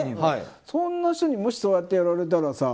そんな人にそうやってやられたら。